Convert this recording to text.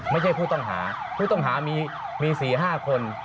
ไม่ใช่ผู้ต้องหาผู้ต้องหามี๔๕คน